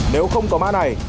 nếu không có mã này